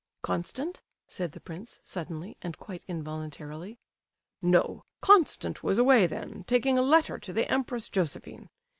"Constant?" said the prince, suddenly, and quite involuntarily. "No; Constant was away then, taking a letter to the Empress Josephine.